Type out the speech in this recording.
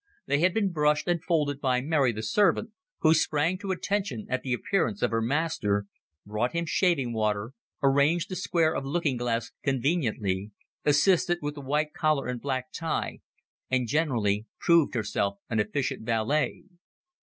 They had been brushed and folded by Mary, the servant, who sprang to attention at the appearance of her master, brought him shaving water, arranged the square of looking glass conveniently, assisted with the white collar and black tie, and generally proved herself an efficient valet.